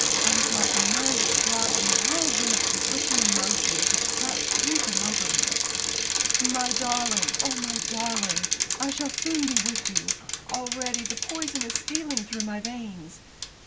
I was like a man distraught in the whirlwind of conflicting emotions which came sweeping over me. "My darling! Oh, my darling! I shall soon be with you. Already the poison is stealing through my veins.